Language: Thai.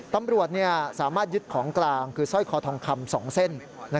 ตำรวจสามารถยึดของกลางคือสร้อยคอทองคำ๒เส้น